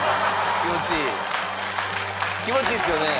気持ちいいですよね？